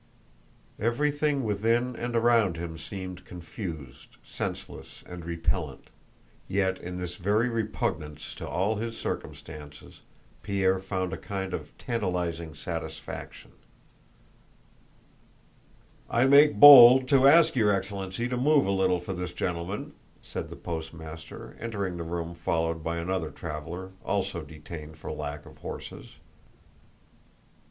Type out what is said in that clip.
Everything within and around him seemed confused, senseless, and repellent. Yet in this very repugnance to all his circumstances Pierre found a kind of tantalizing satisfaction. "I make bold to ask your excellency to move a little for this gentleman," said the postmaster, entering the room followed by another traveler, also detained for lack of horses.